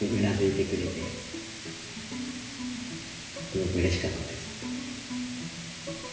すごくうれしかったです。